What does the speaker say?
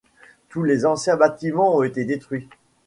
Tous les anciens bâtiments ont été détruits.